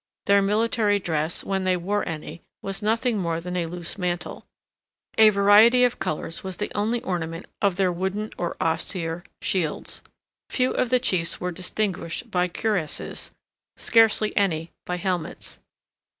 Their military dress, when they wore any, was nothing more than a loose mantle. A variety of colors was the only ornament of their wooden or osier shields. Few of the chiefs were distinguished by cuirasses, scarcely any by helmets.